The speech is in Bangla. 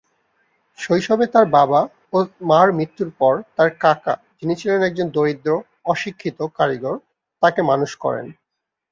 শৈশবে তার বাবা ও মার মৃত্যুর পর তার কাকা, যিনি ছিলেন একজন দরিদ্র, অশিক্ষিত কারিগর, তাকে মানুষ করেন।